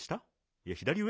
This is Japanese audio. いや左上？